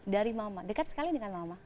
dari mama dekat sekali dengan mama